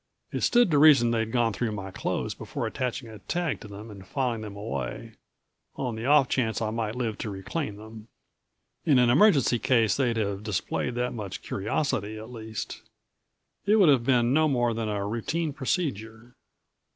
It stood to reason they'd gone through my clothes before attaching a tag to them and filing them away, on the off chance I might live to reclaim them. In an emergency case they'd have displayed that much curiosity, at least. It would have been no more than a routine procedure.